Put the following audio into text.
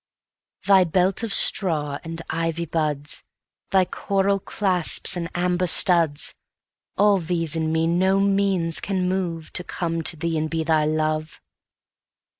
Thy belt of straw and ivy buds, Thy coral clasps and amber studs, All these in me no means can move To come to thee and be thy love.